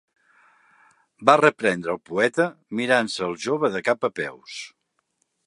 Va reprendre el poeta, mirant-se al jove de cap a peus